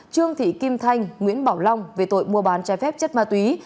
trương thị kim thanh nguyễn bảo long về tội mua bán trái phép chất ma túy